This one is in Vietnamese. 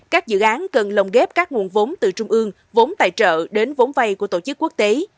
các dự án cần lồng ghép các nguồn vốn từ trung ương vốn tài trợ đến vốn vay của tổ chức quốc tế